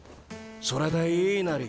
それでいいナリ。